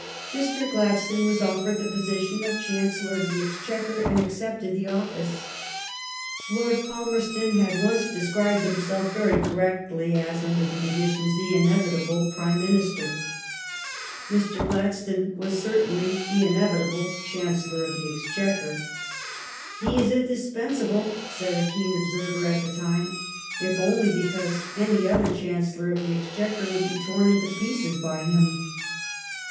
Mr. Gladstone was offered the position of Chancellor of the Exchequer, and accepted the office. Lord Palmerston had once described himself very cor rectly as, under the conditions, the " inevitable '' Prime Minister. Mr. Gladstone was certainly the inevitable Chancellor of the Exchequer. "He is indispensable," said a keen observer at the time, "if only because any other Chancellor of the Exchequer would be torn into pieces by him."